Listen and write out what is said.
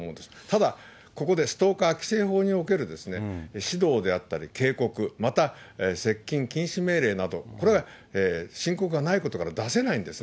ただ、ここでストーカー規制法における指導であったり警告、また接近禁止命令など、これは申告がないことから、出せないんですね。